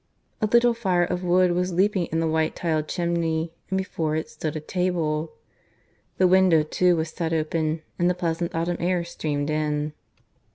A little fire of wood was leaping in the white tiled chimney; and before it stood a table. The window too was set open, and the pleasant autumn air streamed in.